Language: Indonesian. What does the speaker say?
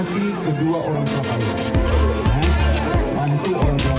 terima kasih kedua orang